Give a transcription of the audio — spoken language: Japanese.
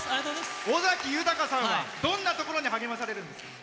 尾崎豊さんはどんなところに励まされるんですか？